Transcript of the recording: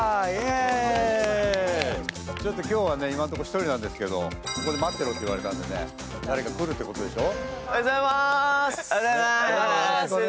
今日は今のところ１人なんですけどここで待ってろって言われたんで誰か来るってことでしょ。